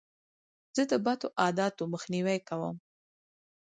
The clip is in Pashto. زه د بدو عادتو مخنیوی کوم.